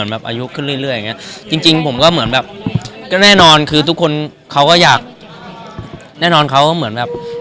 เนี่ยทุกคนก็น่ารักกับเรามนต์เลยค่ะ